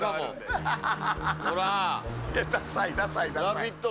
「ラヴィット！」